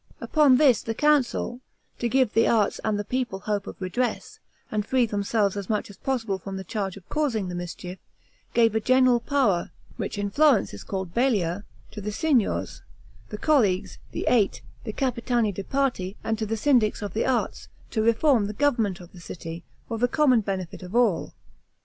Upon this the Council, to give the Arts and the people hope of redress, and free themselves as much as possible from the charge of causing the mischief, gave a general power, which in Florence is called Balia, to the Signors, the Colleagues, the Eight, the Capitani di Parte, and to the Syndics of the Arts, to reform the government of the city, for the common benefit of all.